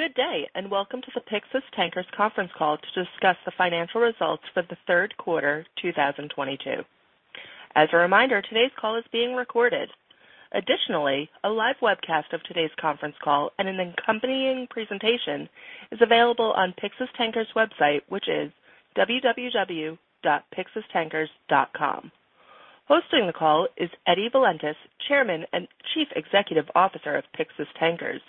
Good day, and welcome to the Pyxis Tankers conference call to discuss the financial results for the third quarter 2022. As a reminder, today's call is being recorded. Additionally, a live webcast of today's conference call and an accompanying presentation is available on Pyxis Tankers website, which is www.pyxistankers.com. Hosting the call is Eddie Valentis, Chairman and Chief Executive Officer of Pyxis Tankers,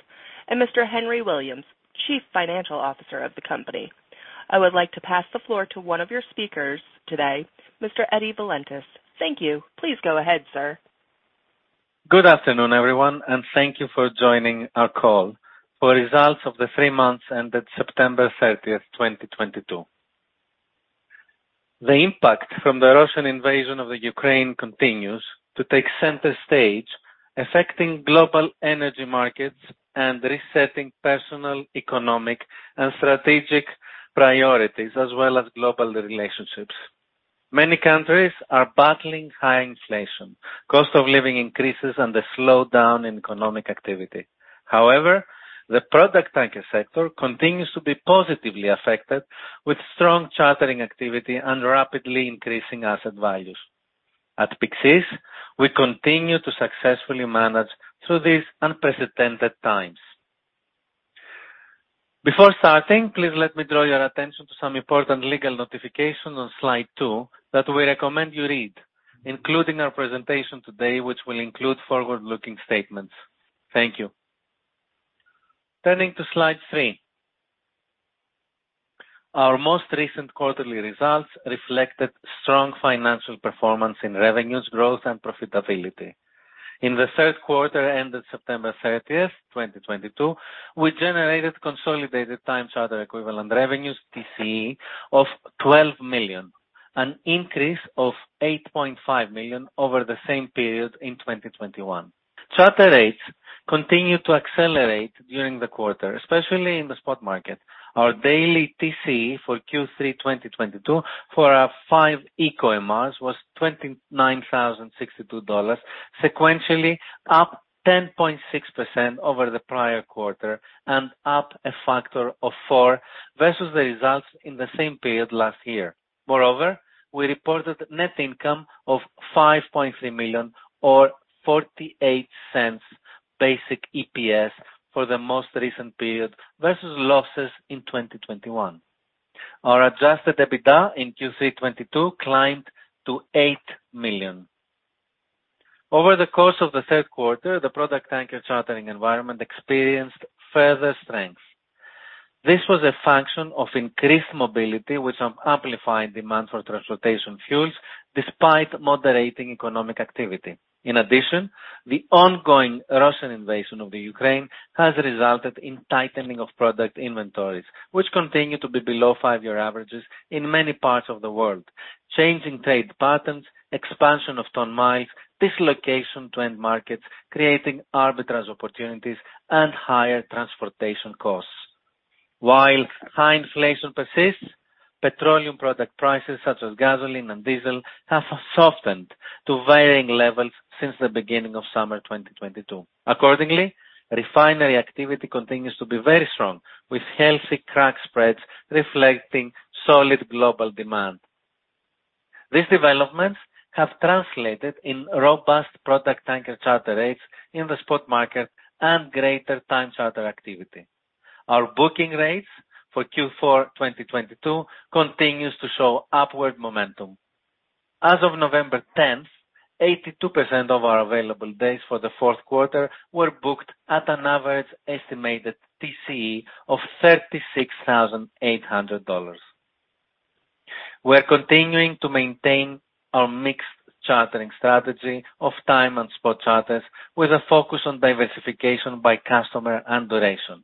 and Mr. Henry Williams, Chief Financial Officer of the company. I would like to pass the floor to one of your speakers today, Mr. Eddie Valentis. Thank you. Please go ahead, sir. Good afternoon, everyone, and thank you for joining our call for results of the three months ended September 30, 2022. The impact from the Russian invasion of Ukraine continues to take center stage, affecting global energy markets and resetting personal, economic, and strategic priorities, as well as global relationships. Many countries are battling high inflation, cost of living increases, and a slowdown in economic activity. However, the product tanker sector continues to be positively affected with strong chartering activity and rapidly increasing asset values. At Pyxis, we continue to successfully manage through these unprecedented times. Before starting, please let me draw your attention to some important legal notifications on slide two that we recommend you read, including our presentation today, which will include forward-looking statements. Thank you. Turning to slide three, our most recent quarterly results reflected strong financial performance in revenues growth and profitability. In the third quarter ended September 30, 2022, we generated consolidated time charter equivalent revenues, TCE, of $12 million, an increase of $8.5 million over the same period in 2021. Charter rates continued to accelerate during the quarter, especially in the spot market. Our daily TCE for Q3 2022 for our five eco MRs was $29,062, sequentially up 10.6% over the prior quarter and up a factor of four versus the results in the same period last year. Moreover, we reported net income of $5.3 million or $0.48 basic EPS for the most recent period versus losses in 2021. Our adjusted EBITDA in Q3 2022 climbed to $8 million. Over the course of the third quarter, the product tanker chartering environment experienced further strength. This was a function of increased mobility with some amplified demand for transportation fuels despite moderating economic activity. In addition, the ongoing Russian invasion of Ukraine has resulted in tightening of product inventories, which continue to be below five-year averages in many parts of the world, changing trade patterns, expansion of ton-miles, dislocation to end markets, creating arbitrage opportunities and higher transportation costs. While high inflation persists, petroleum product prices such as gasoline and diesel have softened to varying levels since the beginning of summer 2022. Accordingly, refinery activity continues to be very strong, with healthy crack spreads reflecting solid global demand. These developments have translated in robust product tanker charter rates in the spot market and greater time charter activity. Our booking rates for Q4 2022 continues to show upward momentum. As of November 10, 82% of our available days for the fourth quarter were booked at an average estimated TCE of $36,800. We're continuing to maintain our mixed chartering strategy of time and spot charters with a focus on diversification by customer and duration.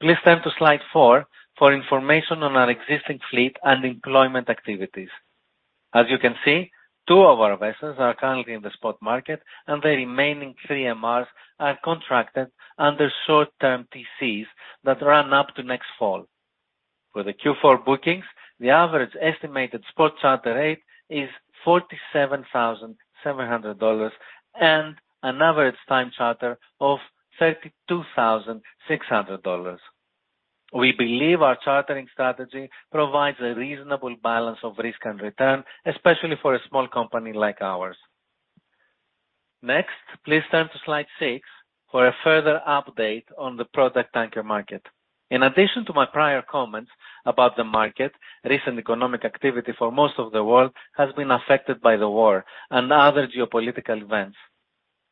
Please turn to slide four for information on our existing fleet and employment activities. As you can see, two of our vessels are currently in the spot market and the remaining three MRs are contracted under short-term TCEs that run up to next fall. For the Q4 bookings, the average estimated spot charter rate is $47,700 and an average time charter of $32,600. We believe our chartering strategy provides a reasonable balance of risk and return, especially for a small company like ours. Next, please turn to slide 6 for a further update on the product tanker market. In addition to my prior comments about the market, recent economic activity for most of the world has been affected by the war and other geopolitical events.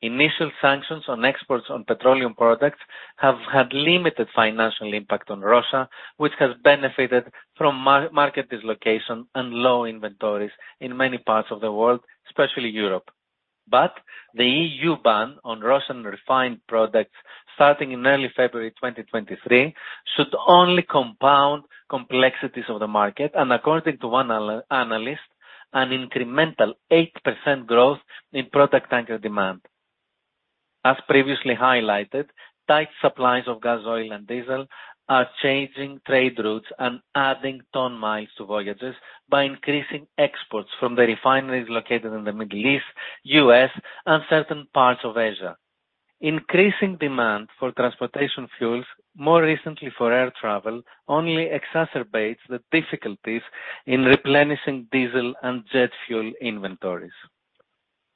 Initial sanctions on exports on petroleum products have had limited financial impact on Russia, which has benefited from market dislocation and low inventories in many parts of the world, especially Europe. The EU ban on Russian refined products starting in early February 2023 should only compound complexities of the market and according to one analyst, an incremental 8% growth in product tanker demand. As previously highlighted, tight supplies of gas oil and diesel are changing trade routes and adding ton-miles to voyages by increasing exports from the refineries located in the Middle East, U.S., and certain parts of Asia. Increasing demand for transportation fuels, more recently for air travel, only exacerbates the difficulties in replenishing diesel and jet fuel inventories.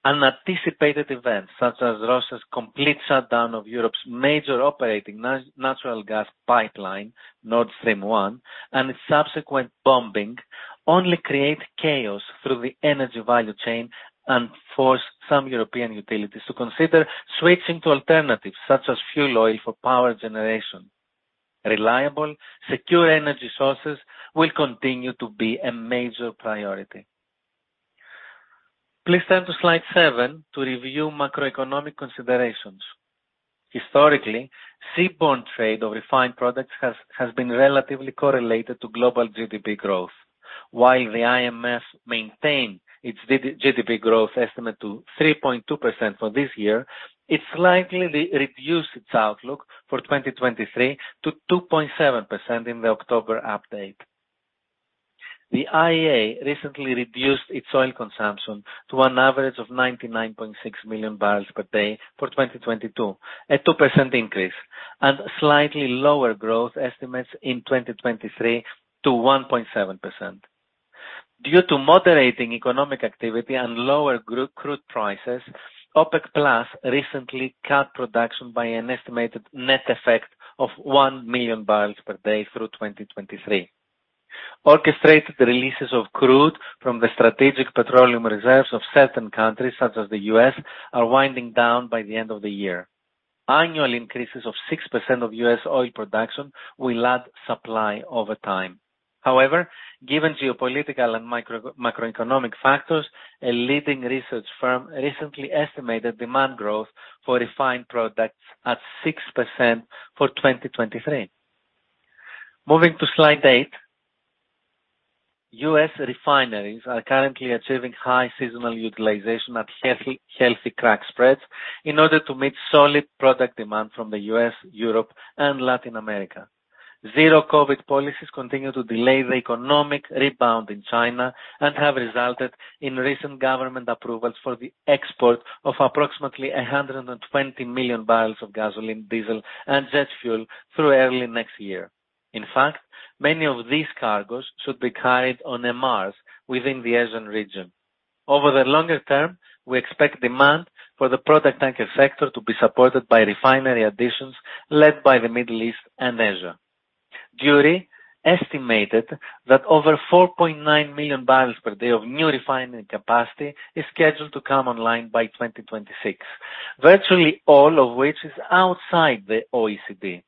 Unanticipated events such as Russia's complete shutdown of Europe's major operating natural gas pipeline, Nord Stream 1, and its subsequent bombing only create chaos through the energy value chain and force some European utilities to consider switching to alternatives such as fuel oil for power generation. Reliable, secure energy sources will continue to be a major priority. Please turn to slide seven to review macroeconomic considerations. Historically, seaborne trade of refined products has been relatively correlated to global GDP growth. While the IMF maintained its GDP growth estimate to 3.2% for this year, it slightly reduced its outlook for 2023 to 2.7% in the October update. The IEA recently reduced its oil consumption to an average of 99.6 million barrels per day for 2022, a 2% increase, and slightly lower growth estimates in 2023 to 1.7%. Due to moderating economic activity and lower crude prices, OPEC+ recently cut production by an estimated net effect of one million barrels per day through 2023. Orchestrated releases of crude from the strategic petroleum reserves of certain countries such as the U.S. are winding down by the end of the year. Annual increases of 6% of U.S. oil production will add supply over time. However, given geopolitical and micro-macroeconomic factors, a leading research firm recently estimated demand growth for refined products at 6% for 2023. Moving to slide eight, U.S. refineries are currently achieving high seasonal utilization at healthy crack spreads in order to meet solid product demand from the U.S., Europe and Latin America. zero-COVID policies continue to delay the economic rebound in China and have resulted in recent government approvals for the export of approximately 120 million barrels of gasoline, diesel and jet fuel through early next year. In fact, many of these cargoes should be carried on MRs within the Asian region. Over the longer term, we expect demand for the product tanker sector to be supported by refinery additions led by the Middle East and Asia. IEA estimated that over 4.9 million barrels per day of new refining capacity is scheduled to come online by 2026, virtually all of which is outside the OECD.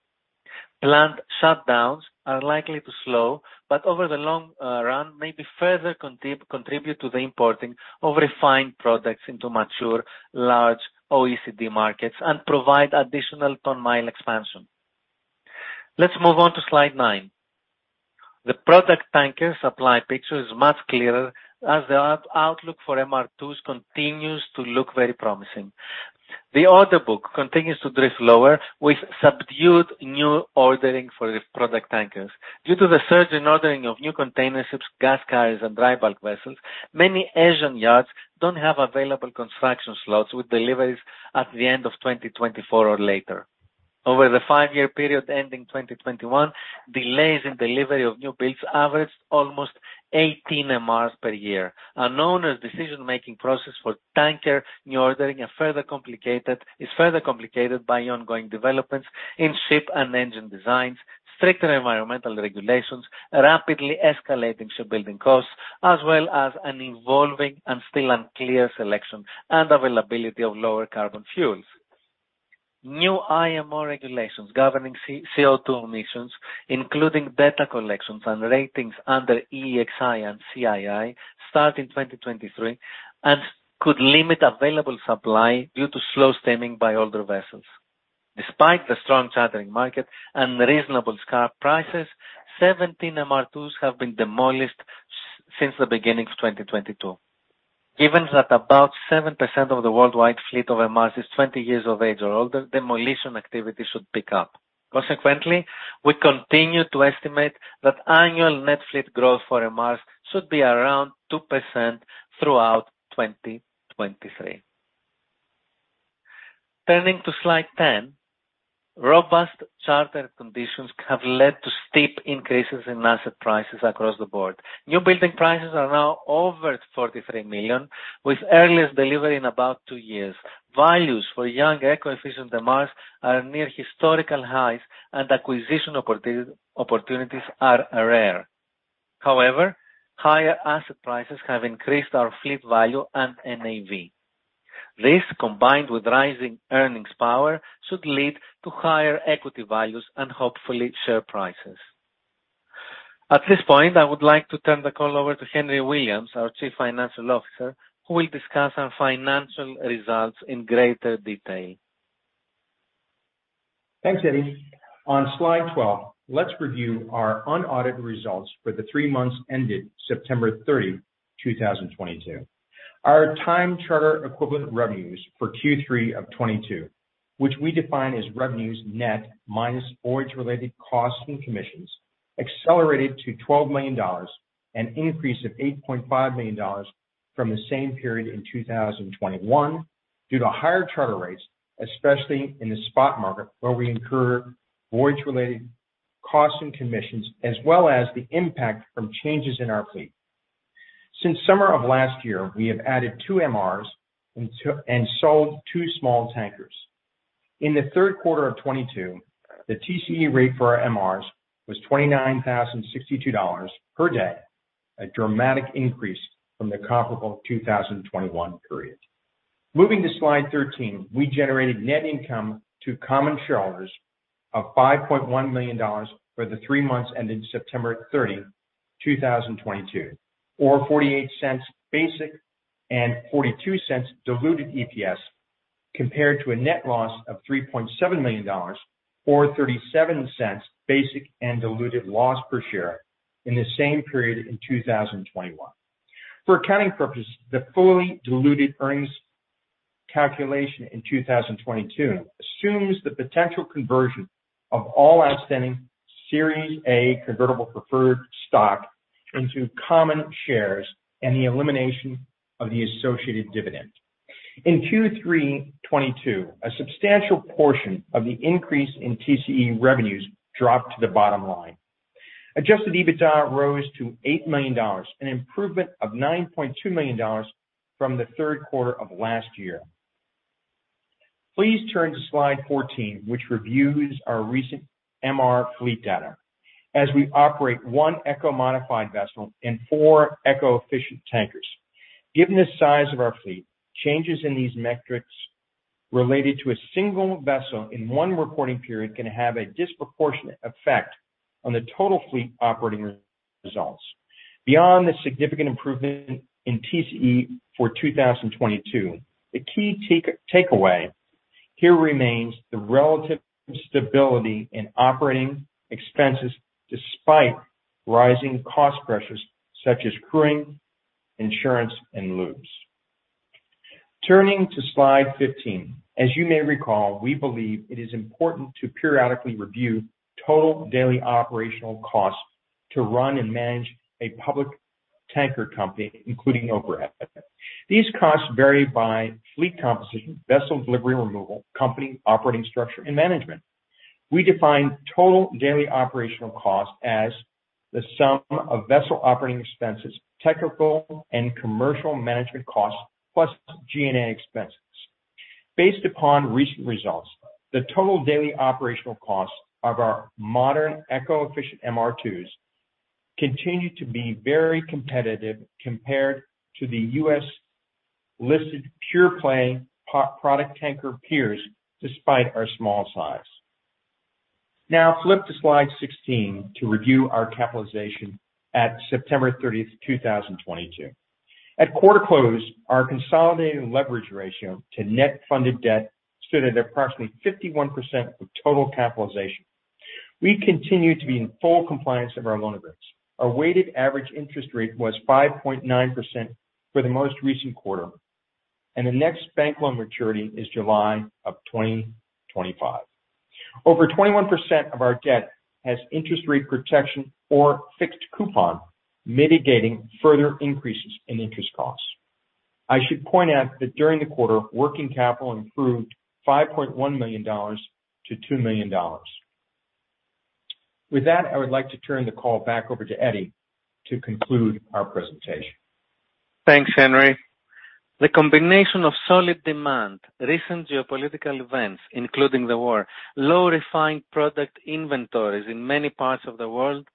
Planned shutdowns are likely to slow, but over the long run may further contribute to the importing of refined products into mature, large OECD markets and provide additional ton-mile expansion. Let's move on to slide nine. The product tanker supply picture is much clearer as the outlook for MR2 continues to look very promising. The order book continues to drift lower with subdued new ordering for the product tankers. Due to the surge in ordering of new container ships, gas carriers and dry bulk vessels, many Asian yards don't have available construction slots with deliveries at the end of 2024 or later. Over the five-year period ending 2021, delays in delivery of new builds averaged almost 18 MRs per year. Decision making process for tanker new ordering is further complicated by ongoing developments in ship and engine designs, stricter environmental regulations, rapidly escalating shipbuilding costs, as well as an evolving and still unclear selection and availability of lower carbon fuels. New IMO regulations governing CII CO2 emissions, including data collections and ratings under EEXI and CII, start in 2023 and could limit available supply due to slow steaming by older vessels. Despite the strong chartering market and reasonable scrap prices, 17 MR2s have been demolished since the beginning of 2022. Given that about 7% of the worldwide fleet of MRs is 20 years of age or older, demolition activity should pick up. Consequently, we continue to estimate that annual net fleet growth for MRs should be around 2% throughout 2023. Turning to slide 10, robust charter conditions have led to steep increases in asset prices across the board. New building prices are now over $43 million, with earliest delivery in about two years. Values for young eco-efficient MRs are near historical highs and acquisition opportunities are rare. However, higher asset prices have increased our fleet value and NAV. This, combined with rising earnings power, should lead to higher equity values and hopefully share prices. At this point, I would like to turn the call over to Henry Williams, our Chief Financial Officer, who will discuss our financial results in greater detail. Thanks, Eddie. On slide 12, let's review our unaudited results for the three months ended September 30, 2022. Our time charter equivalent revenues for Q3 of 2022, which we define as revenues net minus voyage related costs and commissions, accelerated to $12 million, an increase of $8.5 million from the same period in 2021 due to higher charter rates, especially in the spot market, where we incur voyage related costs and commissions, as well as the impact from changes in our fleet. Since summer of last year, we have added two MRs and sold two small tankers. In the third quarter of 2022, the TCE rate for our MRs was $29,062 per day, a dramatic increase from the comparable 2021 period. Moving to slide 13, we generated net income to common shareholders of $5.1 million for the three months ended September 30, 2022, or $0.48 basic and $0.42 diluted EPS, compared to a net loss of $3.7 million or $0.37 basic and diluted loss per share in the same period in 2021. For accounting purposes, the fully diluted earnings calculation in 2022 assumes the potential conversion of all outstanding Series A convertible preferred stock into common shares and the elimination of the associated dividend. In Q3 2022, a substantial portion of the increase in TCE revenues dropped to the bottom line. Adjusted EBITDA rose to $8 million, an improvement of $9.2 million from the third quarter of last year. Please turn to slide 14, which reviews our recent MR fleet data. As we operate one Eco-modified vessel and four Eco-efficient tankers. Given the size of our fleet, changes in these metrics related to a single vessel in one reporting period can have a disproportionate effect on the total fleet operating results. Beyond the significant improvement in TCE for 2022, the key takeaway here remains the relative stability in operating expenses despite rising cost pressures such as crewing, insurance and lubes. Turning to slide 15. As you may recall, we believe it is important to periodically review total daily operational costs to run and manage a public tanker company, including overhead. These costs vary by fleet composition, vessel delivery, removal, company operating structure and management. We define total daily operational costs as the sum of vessel operating expenses, technical and commercial management costs, plus G&A expenses. Based upon recent results, the total daily operational costs of our modern Eco-efficient MR2s continue to be very competitive compared to the U.S. listed pure play product tanker peers despite our small size. Now flip to slide 16 to review our capitalization at September 30, 2022. At quarter close, our consolidated leverage ratio to net funded debt stood at approximately 51% of total capitalization. We continue to be in full compliance of our loan agreements. Our weighted average interest rate was 5.9% for the most recent quarter, and the next bank loan maturity is July of 2025. Over 21% of our debt has interest rate protection or fixed coupon, mitigating further increases in interest costs. I should point out that during the quarter, working capital improved $5.1 million to $2 million. With that, I would like to turn the call back over to Valentis to conclude our presentation. Thanks, Henry. The combination of solid demand, recent geopolitical events including the war, low refined product inventories in many parts of the world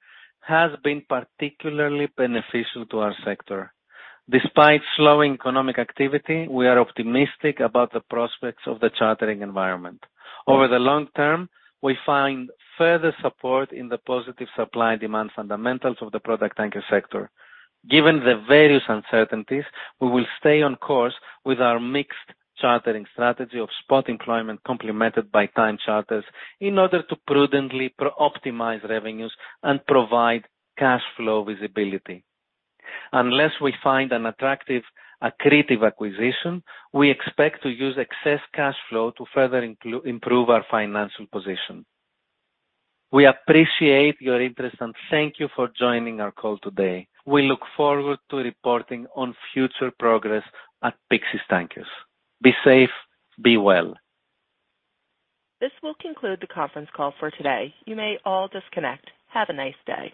has been particularly beneficial to our sector. Despite slowing economic activity, we are optimistic about the prospects of the chartering environment. Over the long term, we find further support in the positive supply and demand fundamentals of the product tanker sector. Given the various uncertainties, we will stay on course with our mixed chartering strategy of spot employment complemented by time charters in order to prudently optimize revenues and provide cash flow visibility. Unless we find an attractive accretive acquisition, we expect to use excess cash flow to further improve our financial position. We appreciate your interest and thank you for joining our call today. We look forward to reporting on future progress at Pyxis Tankers. Be safe, be well. This will conclude the conference call for today. You may all disconnect. Have a nice day.